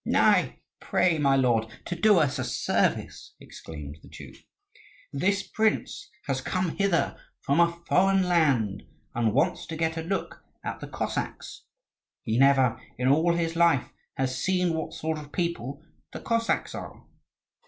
"I pray my lord to do us a service!" exclaimed the Jew: "this prince has come hither from a foreign land, and wants to get a look at the Cossacks. He never, in all his life, has seen what sort of people the Cossacks are."